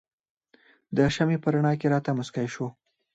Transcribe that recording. د شمعې په رڼا کې راته مسکی شو.